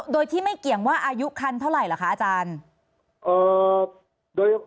โดยที่ไม่เกี่ยงว่าอายุคันเท่าไหร่เหรอคะอาจารย์